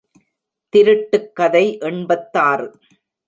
திருட்டுக் கதை எண்பத்தாறு.